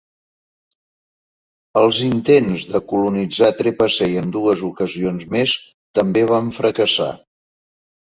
Els intents de colonitzar Trepassey en dues ocasions més també van fracassar.